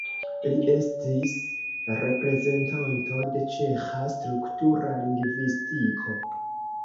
Li estis reprezentanto de ĉeĥa struktura lingvistiko.